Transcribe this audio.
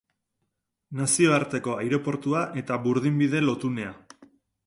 Nazioarteko aireportua eta burdinbide lotunea.